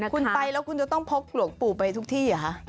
คุณไปแล้วคุณจะต้องพกหลวงปู่ไปทุกที่เหรอคะ